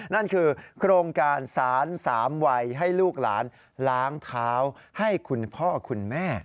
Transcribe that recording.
นั่นคือโครงการสารสามวัยให้ลูกหลานล้างเท้าให้คุณพ่อคุณแม่